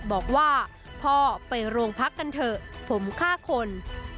บอกว่าพ่อไปโรงพักกันเถอะผมฆ่าคน